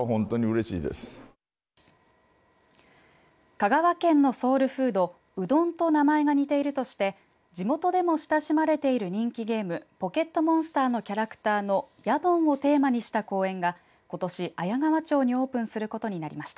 香川県のソウルフードうどんと名前が似ているとして地元でも親しまれている人気ゲームポケットモンスターのキャラクターのヤドンをテーマにした公園がことし綾川町にオープンすることになりました。